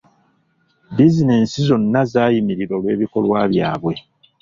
Bizinensi zonna zaayimirira olw'ebikolwa byabwe.